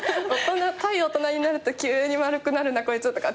対大人になると急に丸くなるなこいつとか。